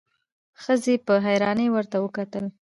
ښځې په حيرانی ورته وکتل.